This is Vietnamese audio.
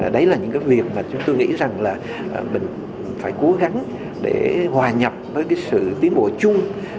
đấy là những việc chúng tôi nghĩ rằng là mình phải cố gắng để hòa nhập với sự tiến bộ chung